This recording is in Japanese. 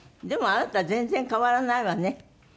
でもあなた全然変わらないわね。